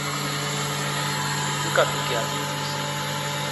N ka bikia bi wisi,